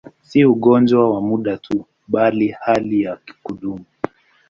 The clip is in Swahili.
Si ugonjwa wa muda tu, bali hali ya kudumu.